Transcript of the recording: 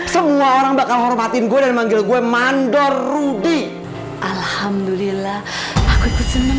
semua orang bakal hormatin gue dan manggil gue mandor rudy alhamdulillah aku ikut seneng